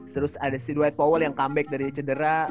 terus ada si duet powell yang comeback dari cedera